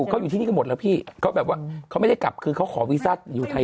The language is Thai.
เขาอยู่ที่นี่ก็หมดแล้วพี่เขาแบบว่าเขาไม่ได้กลับคือเขาขอวีซ่าอยู่ไทย